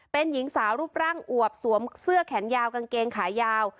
เป็นหญิงสาวรูปร่างอวบสวมเสื้อแขนยาวกางเกงขายาว